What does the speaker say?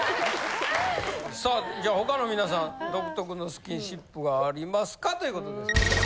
さあじゃあ他のみなさん独特のスキンシップがありますかということです。